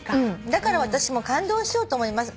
「だから私も感動しようと思います。